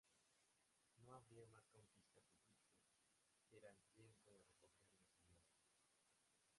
No habría más conquistas egipcias, era el tiempo de recoger lo sembrado.